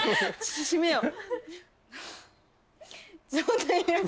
閉めよう。